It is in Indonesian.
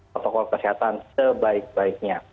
protokol kesehatan sebaik baiknya